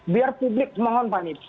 biar publik mohon fani